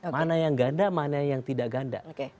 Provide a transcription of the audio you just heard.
mana yang ganda mana yang tidak ganda